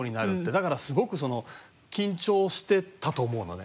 だからすごく緊張してたと思うのね。